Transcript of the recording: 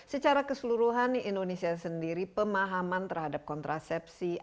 tapi bagaimana keseluruhan indonesia sendiri pemahaman terhadap kontrasepsi